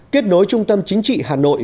kết nối trung tâm chính trị hà nội